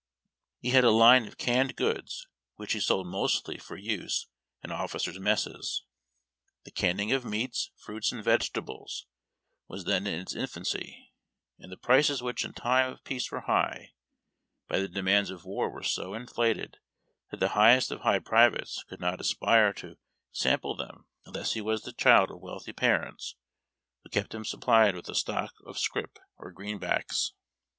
He had a line of canned goods which he sold mostly for use in officers' messes. The canning of meats, fruits, and vegetables was SPECIAL RATIONS. 99K then ill its infancy, and the prices, which in time of peace were high, by the demands of war were so in flated tliat the highest of high privates could not aspire to sample them unless he was the child of wealthy parents who supplied with a stock or greenbacks.